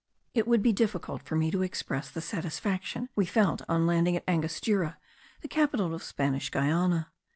It would be difficult for me to express the satisfaction we felt on landing at Angostura, the capital of Spanish Guiana.